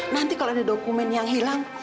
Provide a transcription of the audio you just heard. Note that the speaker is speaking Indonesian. nanti kalau ada dokumen yang hilang